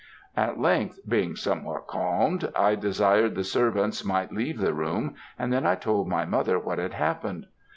At length, being somewhat calmed, I desired the servants might leave the room, and then I told my mother what had happened.